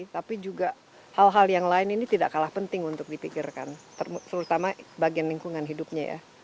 tapi juga hal hal yang lain ini tidak kalah penting untuk dipikirkan terutama bagian lingkungan hidupnya ya